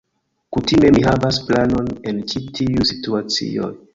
Kutime, mi havas planon en ĉi tiuj situacioj.